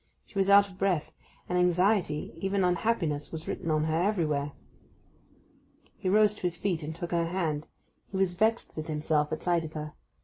She was out of breath; and anxiety, even unhappiness was written on her everywhere. He rose to his feet, and took her hand. He was vexed with himself at sight of her.